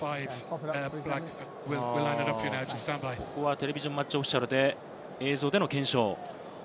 テレビジョン・マッチ・オフィシャルで、映像での検証です。